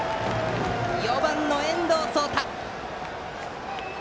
４番の遠藤蒼太！